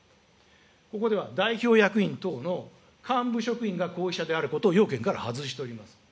ここでは代表役員等の幹部職員が行為者であることを要件から外しております。